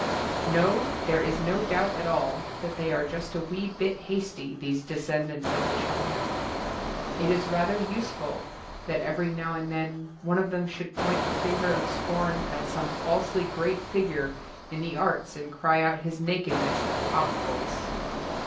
No, there is no doubt at all that they are just a wee bit hasty, these descendants of the child. It is rather useful that every now and then one of them should point a finger of scorn at some falsely great figure in the arts and cry out his nakedness at top voice.